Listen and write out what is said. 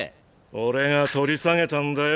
俺が取り下げたんだよ